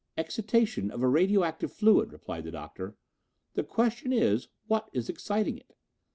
"Excitation of a radioactive fluid," replied the Doctor. "The question is, what is exciting it.